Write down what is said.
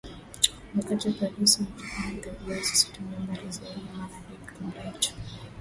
Wakati polisi wakifanya kazi yao sisi twende mbali zaidi maana ndiyo jukumu letu